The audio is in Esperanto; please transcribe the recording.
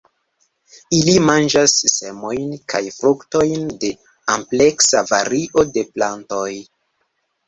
Ili manĝas semojn kaj fruktojn de ampleksa vario de plantoj.